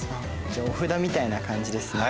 じゃあお札みたいな感じですね。